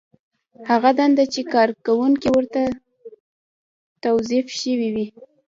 هغه دنده چې کارکوونکی ورته توظیف شوی وي.